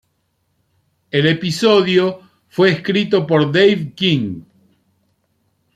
El episodio fue escrito por Dave King.